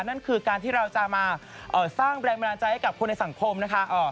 นั่นคือการที่เราจะมาสร้างแรงบันดาลใจให้กับคนในสังคมนะคะ